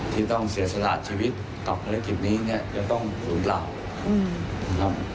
ที่ต้องเสียสลาดชีวิตกับธารกิจนี้เนี้ยจะต้องหลุดราวอืม